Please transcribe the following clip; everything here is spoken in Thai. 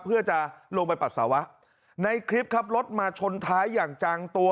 เพื่อจะลงไปปัสสาวะในคลิปครับรถมาชนท้ายอย่างจังตัว